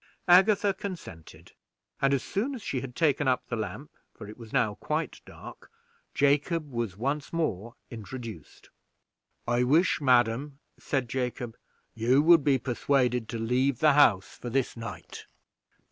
Agatha consented, and as soon as she had taken up the lamp, for it was now quite dark, Jacob was once more introduced. "I wish, madam," said Jacob, "you would be persuaded to leave the house for this night."